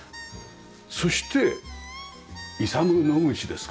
そしてイサム・ノグチですか？